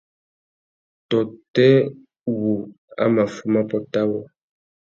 Tôtê wu a mà fuma pôt awô ?